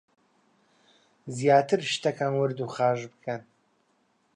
زیاتر شتەکان ورد و خاش بکەن